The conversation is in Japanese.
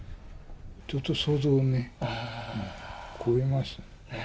ちょっと想像をね、超えました。